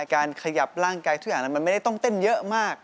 การขยับร่างกายทุกอย่างมันไม่ได้ต้องเต้นเยอะมาก